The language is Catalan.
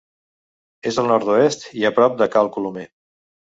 És al nord-oest i a prop de Cal Colomer.